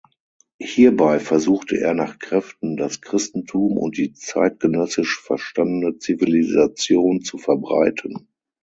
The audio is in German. Hierbei versuchte er nach Kräften, das Christentum und die zeitgenössisch verstandene „Zivilisation“ zu verbreiten.